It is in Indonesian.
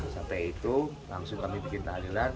sampai itu langsung kami bikin tahanlilan